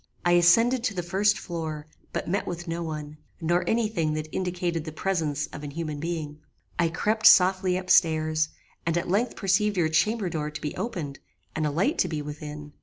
I ascended to the first floor, but met with no one, nor any thing that indicated the presence of an human being. "I crept softly up stairs, and at length perceived your chamber door to be opened, and a light to be within.